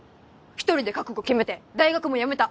１人で覚悟決めて大学も辞めた！